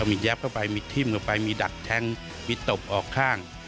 มีแยบเข้าไปมีทิ้มลงไปมีดักแทงมีตบออกข้าง